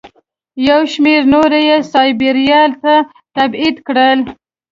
یو شمېر نور یې سایبریا ته تبعید کړل.